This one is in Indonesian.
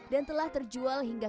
dan telah terjual hingga